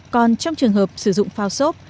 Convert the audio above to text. còn trong trường hợp sử dụng phao sốt